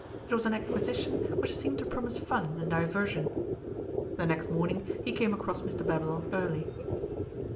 It was an acquisition which seemed to promise fun and diversion. The next morning he came across Mr Babylon early.